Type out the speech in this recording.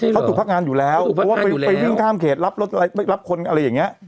เขาถูกพักงานอยู่แล้วเพราะว่าไปวิ่งข้ามเขตรับคนอะไรอย่างนี้